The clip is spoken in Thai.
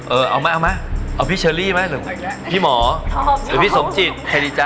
เออเอาไหมเอาไหมเอาพี่เชอรี่ไหมหรือพี่หมอหรือพี่สมจิตใครดีจ๊